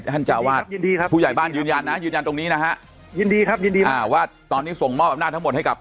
ท่านจ้าอวาสผู้ใหญ่บ้านยืนยันนะยืนยันนี้นะฮะ